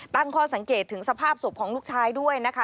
ตั้งข้อสังเกตถึงสภาพศพของลูกชายด้วยนะคะ